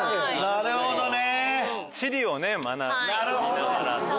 なるほどね！